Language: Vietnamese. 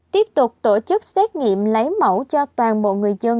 tiếp tục tổ chức xét nghiệm lấy mẫu cho toàn bộ người dân